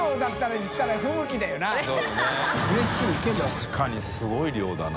確かにすごい量だな